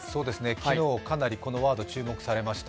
昨日、かなりこのワード注目されました。